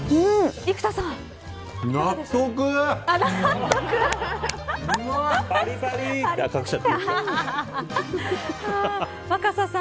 生田さん。